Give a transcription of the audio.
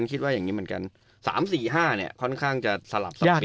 คิดว่าอย่างนี้เหมือนกัน๓๔๕ค่อนข้างจะสลับสับปริ้น